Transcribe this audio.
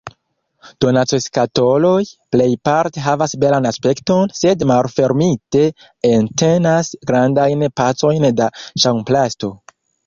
Donacoskatoloj plejparte havas belan aspekton, sed malfermite, entenas grandajn pecojn da ŝaŭmplasto.